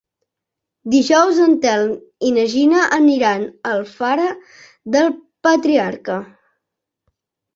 Dijous en Telm i na Gina aniran a Alfara del Patriarca.